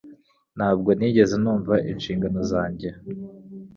Ntabwo nigeze numva inshingano zanjye